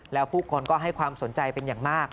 แล้วผู้คนก็ให้ความสนใจเป็นอย่างมาก